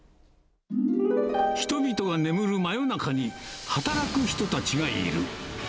人々が眠る真夜中に、働く人たちがいる。